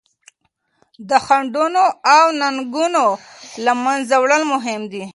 د خنډونو او ننګونو له منځه وړل مهم دي.